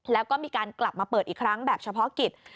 แล้วก็มีการกลับมาเปิดอีกครั้งแบบเฉพาะกิจ